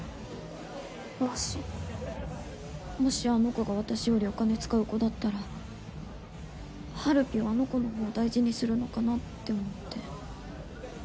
もしもしあの子が私よりお金使う子だったらはるぴはあの子の方を大事にするのかなって思って。